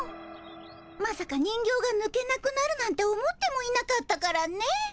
まさか人形がぬけなくなるなんて思ってもいなかったからね。